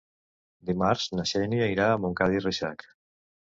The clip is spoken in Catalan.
Dimarts na Xènia irà a Montcada i Reixac.